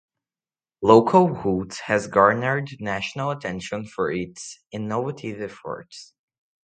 Local Roots has garnered national attention for its innovative efforts.